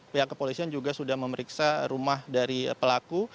pihak kepolisian juga sudah memeriksa rumah dari pelaku